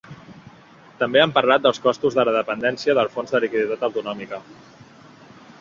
També han parlat dels costs de la dependència del fons de liquiditat autonòmica.